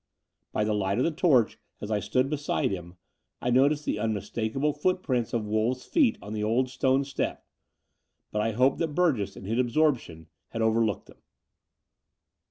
By the light of the torch, as I stood beside him, I noticed the unmistakable footprints of wolves' feet on the old stone step : but I hoped that Burgess in his absorption had overlooked them.